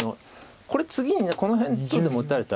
これ次にこの辺とでも打たれたら。